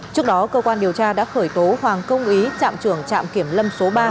trước đó cơ quan điều tra đã khởi tố hoàng công ý trạm trưởng trạm kiểm lâm số ba